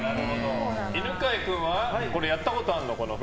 犬飼君はやったことあるの？